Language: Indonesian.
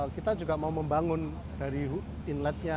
kita juga mau membangun dari inletnya